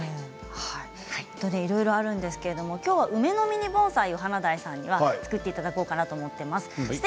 いろいろあるんですけれども今日は梅のミニ盆栽を華大さんに作っていただこうと思います。